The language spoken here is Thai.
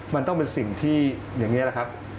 มันต้องเป็นสิ่งที่อย่างนี้แหละครับ